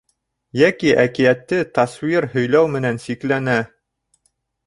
Йәки әкиәтте тасуир һөйләү менән сикләнә.